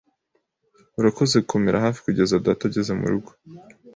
Urakoze gukomera hafi kugeza data ageze murugo.